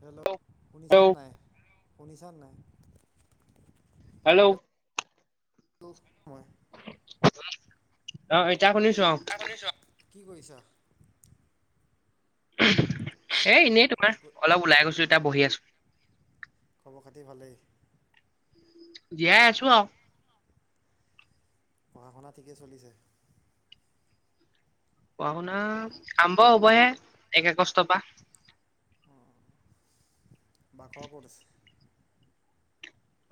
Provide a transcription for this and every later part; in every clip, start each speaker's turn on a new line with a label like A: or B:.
A: Hello শুনিছা
B: hello
A: নাই, শুনিছা নাই?
B: হেল্ল'?
A: টো হয়।
B: অ এতিয়া শুনিছো অ।
A: এতিয়া শুনিছো অঁ। কি কৰিছা?
B: উহুম, এ এনেই
A: কি
B: তোমাৰ
A: ক
B: অলপ ওলাই গৈছো, এতিয়া বহি আছো।
A: খবৰ খাতি ভালেই?
B: জীয়াই আছো আৰু।
A: পঢ়া-শুনা ঠিকেই চলিছে?
B: পঢ়া-শুনা, আৰম্ভ হ'বহে একে আগষ্টৰ পৰা।
A: বাঘৰ ক'ত আছে?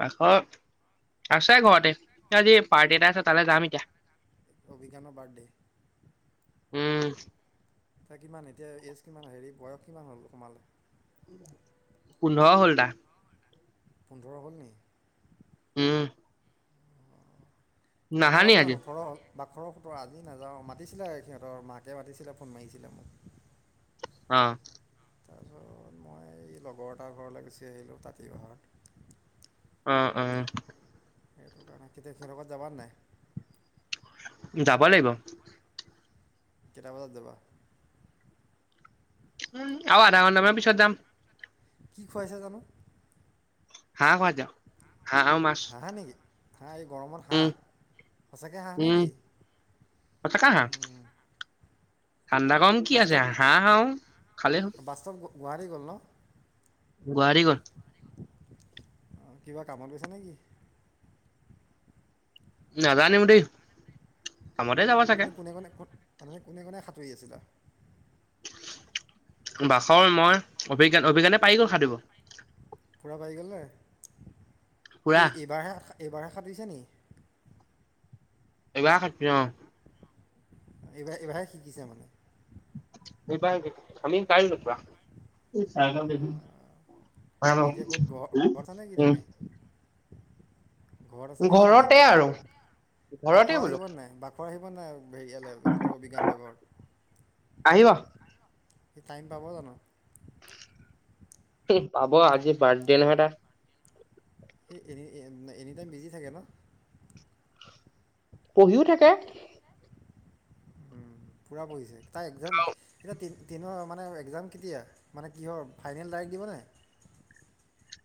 B: বাঘৰ, আছে ঘৰতে আজি পাৰ্টি এটা আছে তালৈ যাম এতিয়া।
A: অভিজ্ঞানৰ বাৰ্থডে।
B: উম।
A: এ কিমান এতিয়া এজ কিমান হেৰি বয়স কিমান হ'ল সোমালে।
B: পোন্ধৰ হ'ল তাৰ।
A: পোন্ধৰ হ'ল নি?
B: উম। নাহা
A: বাখৰ
B: নি
A: কিমান
B: আজি
A: ওঠৰ হল। বাখৰ সোতৰ আজি নাযাওঁ মাতিছিলে সিহঁতৰ মাকে মাতিছিলে ফোন মাৰিছিলে মোক।
B: অ।
A: তাৰপিছত মই এই লগৰ এটাৰ ঘৰলৈ গুচি আহিলোঁ তাঁতি বাহত।
B: অ অ।
A: সেইটো কাৰণে কেতিয়া সিহতৰ ঘৰত যাবা নাই?
B: যাব লাগিব।
A: কেইটা বজাত যাবা?
B: উম আৰু আধা ঘণ্টামান পিছত যাম।
A: কি খুৱাইছে জানো?
B: হাহঁ কোৱা যাওঁ, হাহঁ অ মাছ।
A: হাঁহ নেকি হাঁহ এই গৰমত
B: উম
A: হাঁহ, সঁচাকে হাঁহ
B: উম
A: নেকি?
B: সঁচাকে হাঁহ ঠাণ্ডা কম কি আছে হাঁহ হাও খালে হ'ল।
A: বাস্তৱ গুৱাহাটী গ'ল ন?
B: গুৱাহাটী গল।
A: কিবা কামত গৈছে নেকি?
B: নাজানো দেই। কামতে যাব চাগে
A: আপুনি কোনে কোনে কত, আপুনি কোনে কোনে সাঁতুৰি আছিলা?
B: বাখৰ মই অভিজ্ঞানে অভিজ্ঞানে পাৰি গল সাতুৰিব।
A: পোৰা পাৰি গলে, সি
B: পুৰা
A: এইবাৰহে এইবাৰ হে সাঁতুৰিছে নিকি?
B: এই বাৰে সাঁতুৰি অ।
A: এইবাৰ এইবাৰে শিকিছে মানে।
B: আমি পাৰি গলো পোৰা।
A: অ',
B: হ ন
A: এতিয়া ক'ত ঘৰ ঘৰত আছা নেকি তুমি
B: উম।
A: ঘৰত আছা নেকি তুমি
B: ঘৰতে
A: এতিয়া
B: আৰু ঘৰতে
A: বাঘৰ
B: বোলো
A: আহিব নে নাই বাঘৰ আহিব। নাই হেৰিয়ালেক অভিজ্ঞান্ত ঘৰত।
B: আহিব।
A: টাইম পাব জানো।
B: পাব আজি বাৰ্থডে নহয় টা।
A: স এ এনিটাইম বিজি থাকে ন।
B: পঢ়িও থাকে।
A: উম পুৰা পৰিছে তাই একজাম এ তিয়াই তিনৰ। মানে একজাম কেতিয়া মানে কিহৰ ফাইনেল তাৰিখ দিবনে।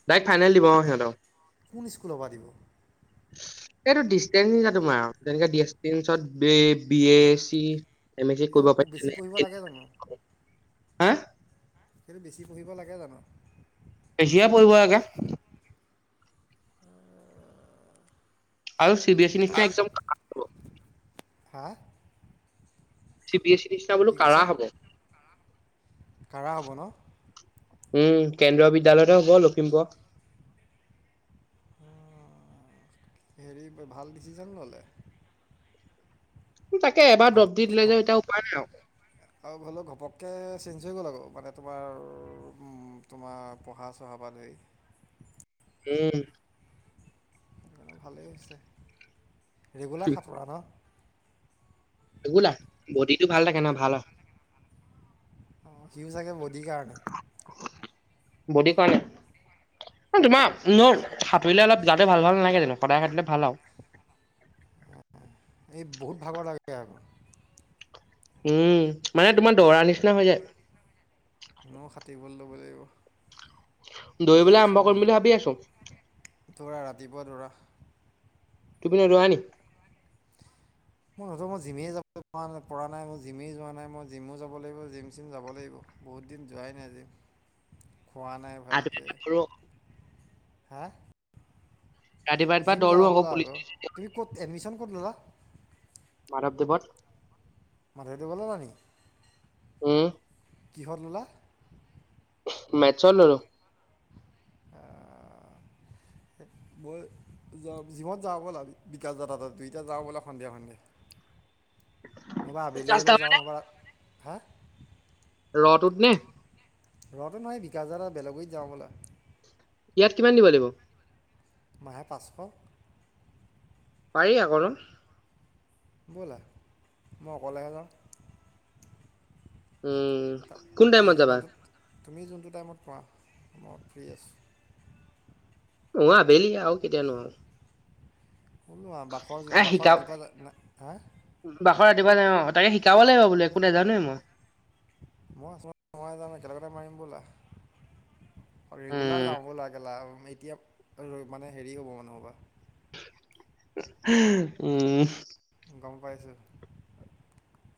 B: তাইক ফাইনেল দিব সিহঁতক।
A: কোন স্কুলৰ পাতিব।
B: এইটো ডিচেঞ্চ নিছা তোমাৰ আৰু তেনেকে ডচেঞ্চত বি এ চি। মি
A: সেইটো
B: কৰিব
A: বেছি
B: পাৰি
A: পঢ়িব লাগে জানো
B: ন হা।
A: সেইটো বেছি পঢ়িব লাগে জানো।
B: বেছি কৰে পঢ়িব লাগে। আৰু চি বি এছ ই নিচনা
A: আৰু
B: একদম।
A: হা।
B: চি বি এ চিনছ ন বোলো
A: কি
B: কাৰা হব।
A: কাঢ়া হ'ব ন।
B: উম কেন্দ্ৰীয় বিদ্যালয়তে হ'ব লখিমপুৰত,।
A: উ হেৰি ভাল ডিচিশন ললে।
B: তাকে এবাৰ দৰব দি
A: ঘপককৈ
B: দিলে
A: ঘপ
B: যা এতিয়া উপায় নাই আও।
A: কে চেঞ্জ হৈ গ'ল আকৌ মানে তোমাৰ উ তোমাৰ পঢ়া চহা বা ধৰি।
B: উম।
A: অ ভালেই হৈছে ৰেগুলাৰ সাঁতোৰা ন।
B: ৰেগুলাৰ বডিটো ভাল থাকে ন ভাল অ।
A: অ সিউ চাগে বদিৰ কাৰণে।
B: বডিৰ কাৰণে -। তোমাৰ ন
A: মই যে-
B: সাঁতুৰিলে অলপ যাতে ভাল ভাল নাগে। জানো সদায় সাটিলে ভাল আৰু-।
A: এই বহুত ভাগৰ লাগে আৰু।
B: উম মানে তোমাৰ দৌৰাৰ নিচিনা হৈ যায়।
A: মও সাঁতুৰিব বলৈ ল'ব লাগিব।
B: দৌৰিবলৈ
A: জিম
B: আৰম্ভ
A: চিম
B: কৰিম বুলি
A: নোযোৱা
B: ভাবি আছো
A: দৌৰা ৰাতিপুৱা দৌৰা।
B: তুমি নোজোৱা নি।
A: মই নহতো মই জিমেই যাব ন পৰা নাই মই জিমেই যোৱা নাই মই জিমও যাব লাগিব জিম চিম যাব লাগিব। বহুত দিন যোৱাই নাই আজি-।
B: [unintelligible]
A: খোৱা নাই ভালকে
B: ৰাতিপুৱা দৌৰো
A: হা-।
B: ৰাতিপুৱা ৰাতিপুৱা
A: জিম
B: দৌৰো
A: যাওঁ
B: আকৌ
A: ব'লা
B: পুলিচ
A: আ তুমি ক'ত এডমিশন ললা-।
B: মাধৱ দেৱত-।
A: মধৱদেৱত ললা নি।
B: উম।
A: কিহৰ ললা।
B: মেচ্ত ললো-।
A: আহ,
B: [unintelligible]
A: মই য জিমত যাওঁ ব'ল বিকাশ দাদা দুই যাওঁ বোলে সন্ধিয়া সন্ধিয়া।
B: [unintelligible]
A: ৰবা আবেলি হ'লেও যাওঁ নবা হা।
B: ৰটোত নে
A: ৰ'দো নহয় ভকাদা বেলেগৰীত যাওঁ বোলে।
B: ইয়াত কিমান দিব লাগিব।
A: মাহে পাঁচশ, -
B: পাৰি আকচোন।
A: ব'লা মই অকলেহে যাওঁ।
B: উম
A: তা-
B: কোন
A: যি-
B: টাইমত যাবা
A: যিমানটো তুমি যোনটো টাইমত পোৱা মই ফ্ৰী আছোঁ।
B: অ আবেলি আৰু কেতিয়া নোৱাৰো?
A: বোলো আম বাখৰ বাখৰ ৰাতিপুৱা ন হা।
B: ৰা দিবা ন অ তাকে শিকা-
A: মই মই যাম একেলগতে মাৰিম ব'লা। ৰেগুলাৰ
B: উম
A: যাওঁ বলা খেলা এতিয়া মানে হেৰি হ'ব মানহ'বা।
B: উম
A: গম পাইছোঁ।